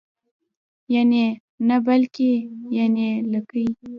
یعني نه بلکې یانې لیکئ!